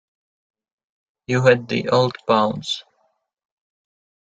You had the old pounds?